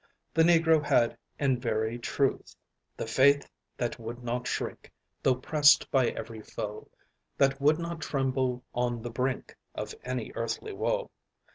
The Negro had in very truth, "That faith that would not shrink, Tho' pressed by every foe; That would not tremble on the brink Of any earthly woe.